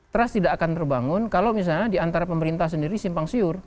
trust tidak akan terbangun kalau misalnya diantara pemerintah sendiri simpang siur